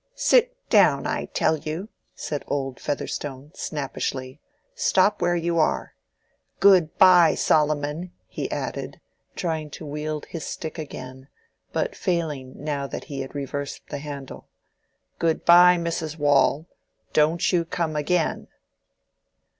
"Sit down, I tell you," said old Featherstone, snappishly. "Stop where you are. Good by, Solomon," he added, trying to wield his stick again, but failing now that he had reversed the handle. "Good by, Mrs. Waule. Don't you come again."